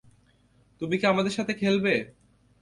তুমি কি আমাদের সাথে খেলবে?